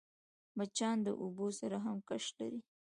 مچان د اوبو سره هم کشش لري